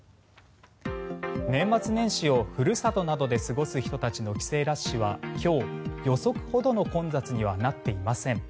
年末年始をふるさとなどで過ごす人たちの帰省ラッシュは今日、予測ほどの混雑にはなっていません。